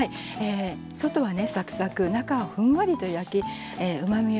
外はねサクサク中はふんわりと焼きうまみを引き出します。